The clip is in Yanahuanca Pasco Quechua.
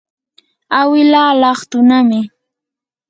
awilaa laqtunami.